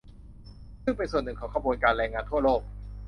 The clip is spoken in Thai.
ซึ่งเป็นส่วนหนึ่งของขบวนการแรงงานทั่วโลก